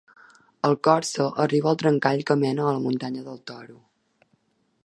El Corsa arriba al trencall que mena a la muntanya del Toro.